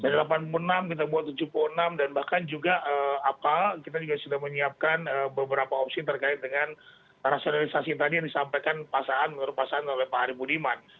dari delapan puluh enam kita buat tujuh puluh enam dan bahkan juga kita sudah menyiapkan beberapa opsi terkait dengan rasionalisasi tadi yang disampaikan pasangan menurut pasangan pak arief budiman